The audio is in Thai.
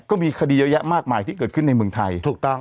ก็มีคดีเยอะแยะมากมายที่เกิดขึ้นในเมืองไทยถูกต้อง